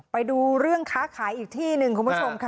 ไปดูเรื่องค้าขายอีกที่หนึ่งคุณผู้ชมค่ะ